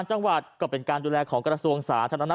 ระบบการรักษา